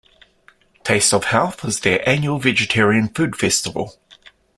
"Taste of Health" is their annual vegetarian food festival.